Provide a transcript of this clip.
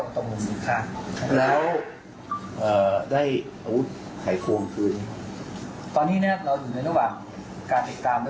นะครับผมเห็นว่าหลายท่านก็ติดตามมาอันง่วงพละคนเหล่านี้เราต้องเอามา